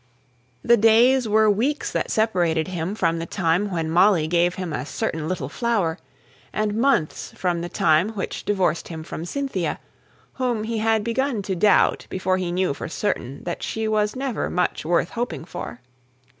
The days were weeks that separated him from the time when Molly gave him a certain little flower, and months from the time which divorced him from Cynthia, whom he had begun to doubt before he knew for certain that she was never much worth hoping for.